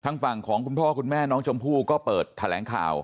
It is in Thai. ฝั่งของคุณพ่อคุณแม่น้องชมพู่ก็เปิดแถลงข่าว